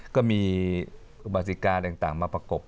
ก็มีอุบาสิกาต่างมาประกบ